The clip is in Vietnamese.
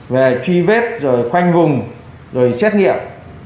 về truy vết rồi khoanh vùng rồi xét nghiệm